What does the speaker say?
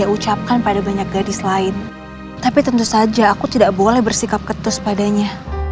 saya ucapkan pada banyak gadis lain tapi tentu saja aku tidak boleh bersikap ketus padanya